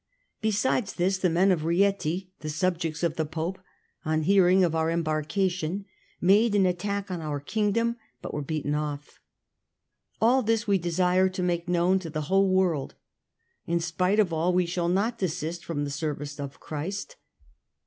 Besides this, the men of Rieti, the subjects of the Pope, on hearing of our embarkation, made an attack on our kingdom, but were beaten off. All this we desire to make known to the whole world ; in spite of all we shall not desist from the service of Christ.